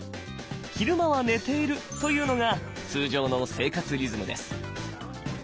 昼間は寝ているというのが通常の生活リズムです。